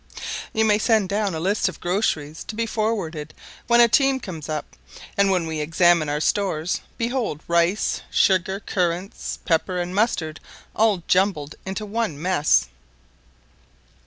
You may send down a list of groceries to be forwarded when a team comes up, and when we examine our stores, behold rice, sugar, currants, pepper, and mustard all jumbled into one mess.